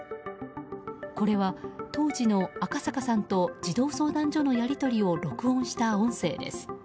これは当時の赤阪さんと児童相談所のやり取りを録音した音声です。